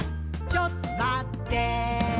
ちょっとまってぇー」